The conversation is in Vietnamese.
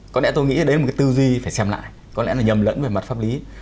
có lẽ tôi nghĩ đấy là một cái tư duy phải xem lại có lẽ là nhầm lẫn về mặt pháp lý